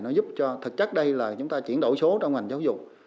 nó giúp cho thật chắc đây là chúng ta chuyển đổi số trong ngành giáo dục